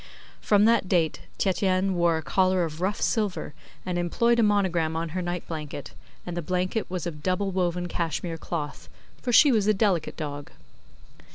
From that date Tietjens wore a collar of rough silver, and employed a monogram on her night blanket; and the blanket was of double woven Kashmir cloth, for she was a delicate dog.